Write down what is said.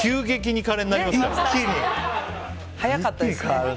早かったですね。